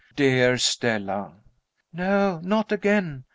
"Dear Stella!" "No, not again!